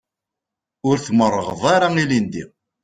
Ur tmerrɣeḍ ara ilindi.